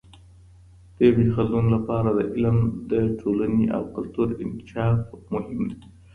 د ابن خلدون لپاره د علم د ټولني او کلتور انکشاف مهم دی.